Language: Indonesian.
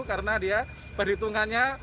karena dia perhitungannya